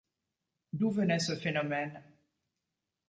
D’où venait ce phénomène?